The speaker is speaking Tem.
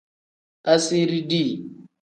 Asiiri dii.